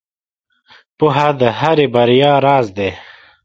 • پوهه د هرې بریا راز دی.